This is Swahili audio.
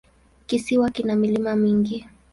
Kisiwa kina milima mingi.